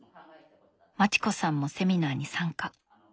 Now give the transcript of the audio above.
まちこさんもセミナーに参加。